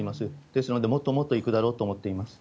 ですので、もっともっといくだろうと思ってます。